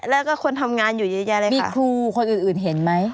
แล้วก็คนทำงานอยู่เยอะแยะเลยมีครูคนอื่นเห็นไหม